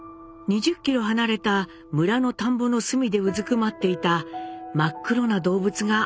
２０キロ離れた村の田んぼの隅でうずくまっていた「真っ黒な動物」が捕獲されます。